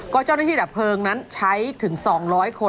ก็เจ้าหน้าที่ดับเพลิงนั้นใช้ถึง๒๐๐คน